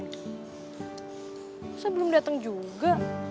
masa belum dateng juga